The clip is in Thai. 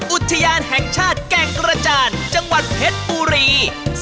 อุทยานแห่งชาติแก่งกระจานจังหวัดเพชรบุรี